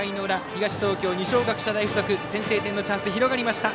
東京、二松学舎大付属先制点のチャンス広がりました。